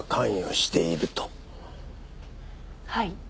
はい。